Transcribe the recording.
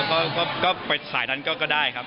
ก็ไปสายนั้นก็ได้ครับ